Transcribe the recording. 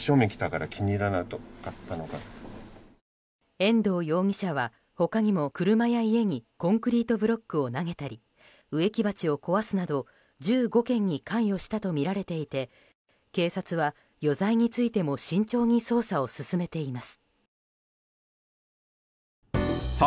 遠藤容疑者は他にも車や家にコンクリートブロックを投げたり植木鉢を壊すなど１５件に関与したとみられていて警察は余罪についても慎重に捜査を進めています。